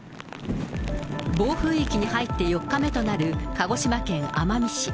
暴風域に入って４日目となる鹿児島県奄美市。